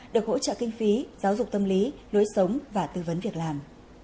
được hỗ trợ kinh phí giáo dục tâm lý lối sống và tư vấn việc làm